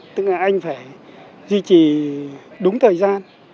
tức là anh phải duy trì đúng thời gian